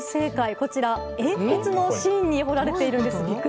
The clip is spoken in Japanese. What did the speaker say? こちら、鉛筆の芯に彫られているんです。